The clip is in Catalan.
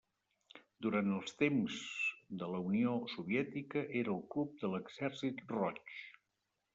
Durant els temps de la Unió Soviètica era el club de l'Exèrcit Roig.